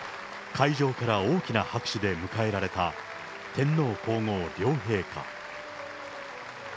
会場から大きな拍手で迎えられた天皇皇后両陛下。